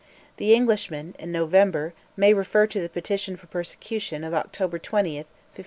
The Englishman, in November, may refer to the petition for persecution of October 20, 1572.